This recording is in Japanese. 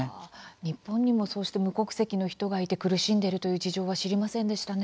日本にも、そうして無国籍の人がいて苦しんでいるという事情は知りませんでしたね。